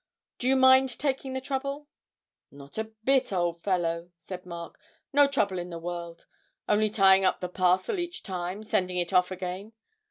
Do you mind taking the trouble?' 'Not a bit, old fellow,' said Mark, 'no trouble in the world; only tying up the parcel each time, sending it off again.